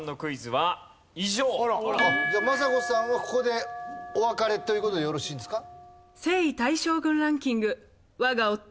じゃあ政子さんはここでお別れという事でよろしいんですか？